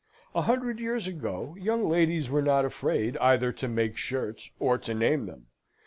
A hundred years ago, young ladies were not afraid either to make shirts, or to name them.